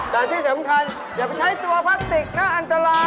แต่ที่สำคัญอย่าไปใช้ตัวพลาสติกนะอันตราย